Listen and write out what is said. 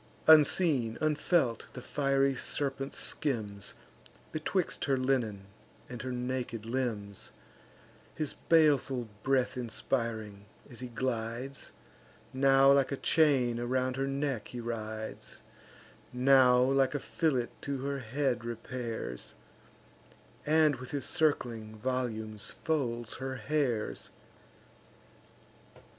Unseen, unfelt, the fiery serpent skims Betwixt her linen and her naked limbs; His baleful breath inspiring, as he glides, Now like a chain around her neck he rides, Now like a fillet to her head repairs, And with his circling volumes folds her hairs.